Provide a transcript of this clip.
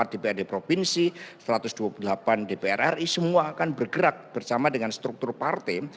empat dprd provinsi satu ratus dua puluh delapan dpr ri semua akan bergerak bersama dengan struktur partai